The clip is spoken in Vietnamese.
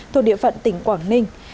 thuộc địa phận tỉnh quảng ninh